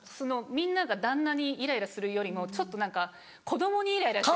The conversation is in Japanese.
みんなが旦那にイライラするよりもちょっと何か子供にイライラしてる。